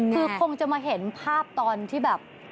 คือคงจะมาเห็นภาพตอนที่แบบ